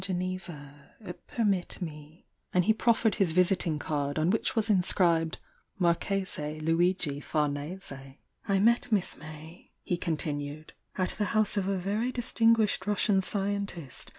f Geneva— permit me " And he proffered his visiting card, on which was inscribed: "Marchese Luigi Famese." "I met Miss May," he continued, "at the house of a very distinguished Russian scientist.